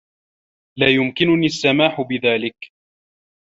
لا يمكنني السماح بذلك.